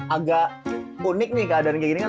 agak unik nih keadaan kayak gini kan